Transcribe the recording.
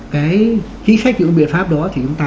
cái kỹ sách những biện pháp đó thì chúng ta